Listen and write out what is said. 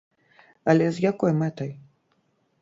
Але з якой мэтай?